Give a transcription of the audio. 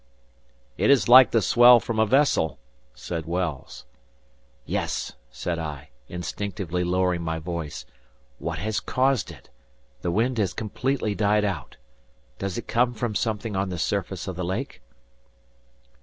"It is like the swell from a vessel," said Wells. "Yes," said I, instinctively lowering my voice. "What has caused it? The wind has completely died out. Does it come from something on the surface of the lake?"